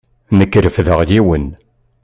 Nekk refdeɣ yiwen.